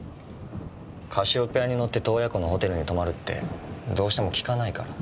カシオペアに乗って洞爺湖のホテルに泊まるってどうしても聞かないから。